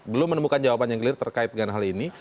belum menemukan jawaban yang clear terkait dengan hal ini